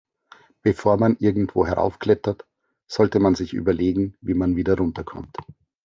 Bevor man irgendwo heraufklettert, sollte man sich überlegen, wie man wieder runter kommt.